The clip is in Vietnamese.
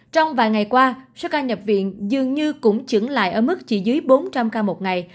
trong vài ngày qua số ca nhập viện dường như cũng trứng lại ở mức chỉ dưới bốn trăm linh ca một ngày